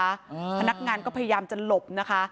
พนักงานก็พยายามจะหลบนะคะ